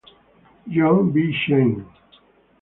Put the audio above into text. John B. Chane.